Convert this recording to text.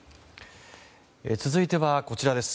続いてはこちらです。